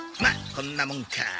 まあこんなもんか。